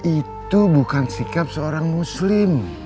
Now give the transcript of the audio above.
itu bukan sikap seorang muslim